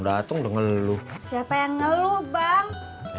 ya itu tadi menghala nafas